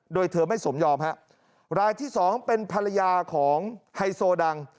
โดยเธอไม่สมยอมฮะรายที่สองเป็นภรรยาของไฮโซดัง